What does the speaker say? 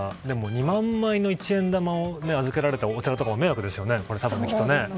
でも２万枚の一円玉を預けられたお寺とかも迷惑でしょうね。